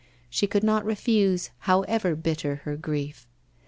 She could not refuse, however bitter her grief.